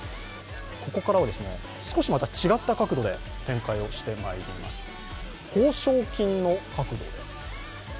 ここからは少し違った角度で展開してまいります。